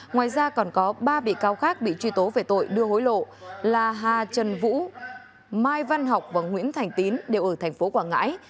ngoài ra còn có ba bị cáo khác bị truy tố về tội đưa hối lộ là hà trần vũ mai văn học và nguyễn thành tín đều ở tp quảng ngãi